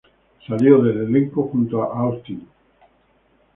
Salió del elenco junto a Austin St.